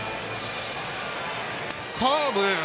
カーブ。